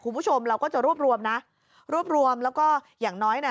คุณผู้ชมเราก็จะรวบรวมนะรวบรวมแล้วก็อย่างน้อยน่ะ